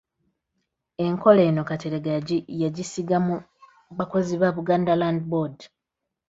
Enkola eno Kateregga yagisiga mu bakozi ba Buganda Land Board.